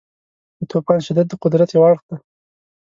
د طوفان شدت د قدرت یو اړخ دی.